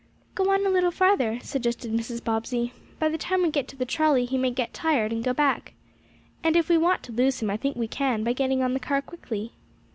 "Go on a little farther," suggested Mrs. Bobbsey. "By the time we get to the trolley he may get tired, and go back. And if we want to lose him I think we can, by getting on the car quickly."